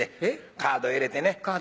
カード入れて。